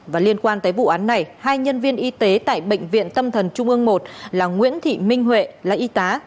và liên quan tới vụ án này hai nhân viên y tế tại bệnh viện tâm thần trung ương một là nguyễn thị minh huệ là y tá